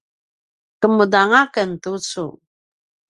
kemuda anga ken tucu?